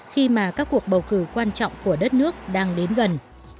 khi mà các cuộc bầu cử quan trọng của đất nước đang đến gần